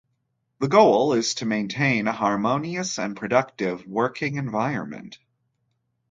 The goal is to maintain a harmonious and productive working environment.